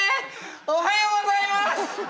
おはようございます！